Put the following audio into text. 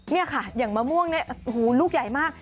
นี่ค่ะอย่างมะม่วงเนี่ยโอ้โหลูกใหญ่มาก